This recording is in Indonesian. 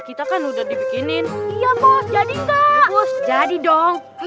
kita kan udah dibikinin iya bos jadi enggak jadi dong cepet